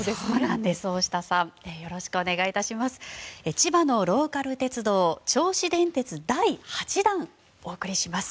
千葉のローカル鉄道、銚子電鉄第８弾をお送りします。